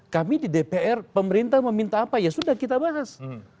kami di dpr pemerintah meminta apa ya sudah kita bahas